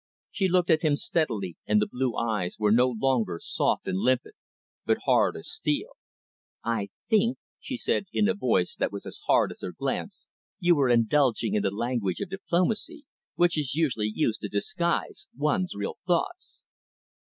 She looked at him steadily, and the blue eyes were no longer soft and limpid, but hard as steel. "I think," she said in a voice that was as hard as her glance, "you are indulging in the language of diplomacy, which is usually used to disguise one's real thoughts."